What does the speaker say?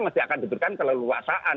mesti akan diberikan keleluasan